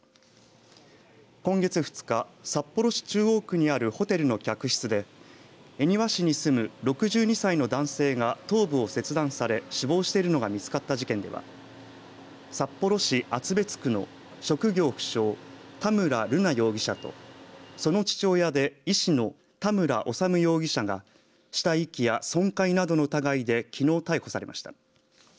今月２日、札幌市中央区にあるホテルの客室で恵庭市に住む６２歳の男性が頭部を切断され死亡しているのが見付かった事件では札幌市厚別区の職業不詳田村瑠奈容疑者とその父親で医師の田村修容疑者が死体遺棄や損壊などの疑いできのう逮捕されました。